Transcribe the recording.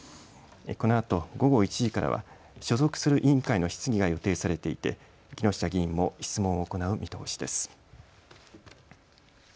このあと午後１時からは所属する委員会の質疑が予定されていて木下議員も質問を行う見通しです。